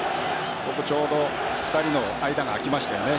ちょうど２人の間が空きましたよね。